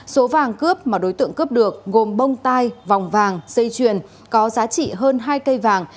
số vàng cướp mà đối tượng cướp được gồm bông tai vòng vàng dây chuyền có giá trị hơn hai cây vàng